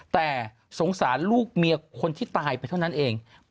แต่สงสารลูกเมียคนที่ตายไปเท่านั้นเอง